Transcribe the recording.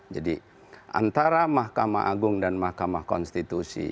jadi antara mahkamah agung dan mahkamah konstitusi